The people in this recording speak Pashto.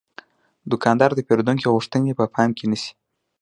دوکاندار د پیرودونکو غوښتنې په پام کې نیسي.